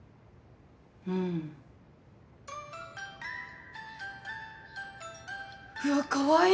うん。うわかわいい！